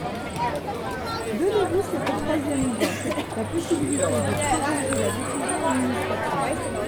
Donnez-vous cette troisième voie : la possibilité de proroger la décision administrative.